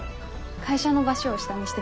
会社の場所を下見してきます。